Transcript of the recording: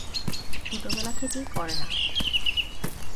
ছোটবেলা থেকেই করে না।